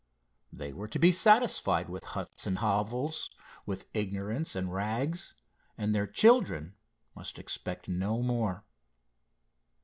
They were to be satisfied with huts and hovels, with ignorance and rags, and their children must expect no more.